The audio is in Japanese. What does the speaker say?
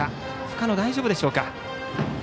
深野、大丈夫でしょうか。